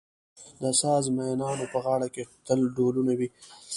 د ساز مېنانو په غاړه کې تل ډهلونه وي.